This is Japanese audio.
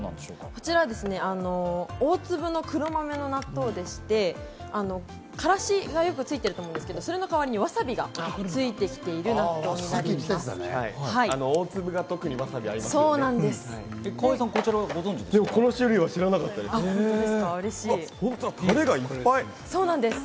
こちら大粒の黒豆の納豆でして、からしがよくついてると思うんですけど、その代わりにわさびがついてきている納豆になります。